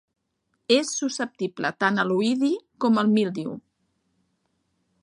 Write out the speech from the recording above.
És susceptible tant a l'oïdi com al míldiu.